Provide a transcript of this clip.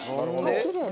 きれい。